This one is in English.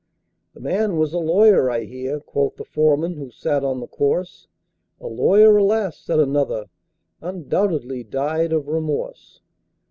"The man was a lawyer, I hear," Quoth the foreman who sat on the corse. "A lawyer? Alas!" said another, "Undoubtedly died of remorse!"